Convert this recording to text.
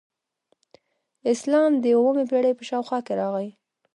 اسلام د اوومې پیړۍ په شاوخوا کې راغی